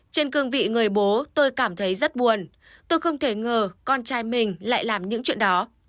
trên cương vị người bố tôi cảm thấy rất buồn tôi không thể ngờ con trai mình lại làm những chuyện đó